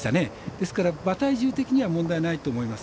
ですから、馬体重的には問題ないと思います。